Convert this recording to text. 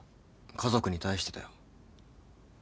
家族に対してだよ。